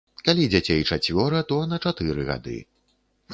Калі дзяцей чацвёра, то на чатыры гады.